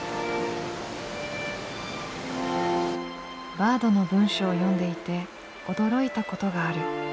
バードの文章を読んでいて驚いたことがある。